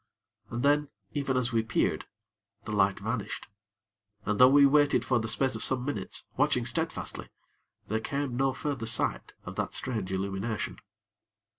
And then, even as we peered, the light vanished, and though we waited for the space of some minutes; watching steadfastly, there came no further sight of that strange illumination.